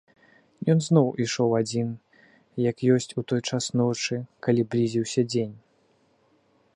Ён зноў ішоў адзін як ёсць у той час ночы, калі блізіўся дзень.